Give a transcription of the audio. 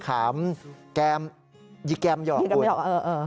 แกล้งยิกแกล้งหยอกหวุ่น